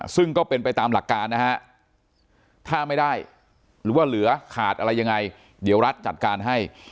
ซึ่งก็เป็นไปตามหลักการนะฮะถ้าไม่ได้หรือว่าเหลือขาดอะไรยังไงเดี๋ยวรัฐจัดการให้